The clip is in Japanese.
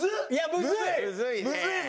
むずいぞ！